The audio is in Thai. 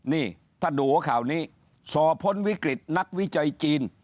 นี่ถ้าดูหัวข่าวนี้สอบพ้นวิกฤตนักวิจัยจีน